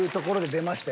出ました。